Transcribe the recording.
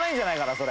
それ。